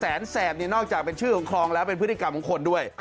แสบนี่นอกจากเป็นชื่อของคลองแล้วเป็นพฤติกรรมของคนด้วย